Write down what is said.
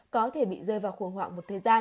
có thể bị rơi vào khủng hoảng một thời gian